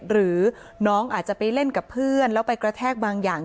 หรือน้องอาจจะไปเล่นกับเพื่อนแล้วไปกระแทกบางอย่าง